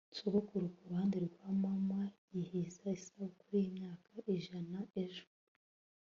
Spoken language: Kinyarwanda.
sogokuru kuruhande rwa mama yizihiza isabukuru yimyaka ijana ejo